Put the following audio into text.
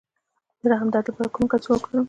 د رحم د درد لپاره کومه کڅوړه وکاروم؟